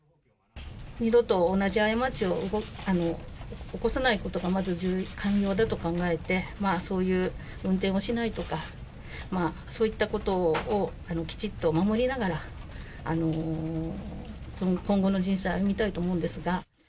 二度と同じ過ちを起こさないことが、まず肝要だと考えて、そういう運転をしないとか、そういったことをきちっと守りながら、今後の人生を歩みたいと思うんですが。